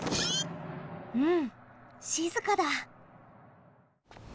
うんしずかだ！